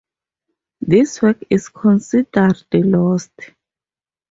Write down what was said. This work is considered lost.